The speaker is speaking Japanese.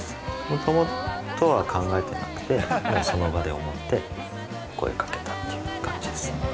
もともとは考えてなくて、もう、その場で思いついて、声かけたという感じです。